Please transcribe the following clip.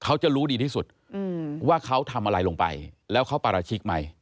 เขาจะรู้ดีที่สุดว่าเขาทำอะไรลงไปแล้วเขาปราชิกไหม